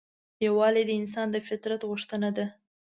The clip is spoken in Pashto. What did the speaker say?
یووالی د انسان د فطرت غوښتنه ده.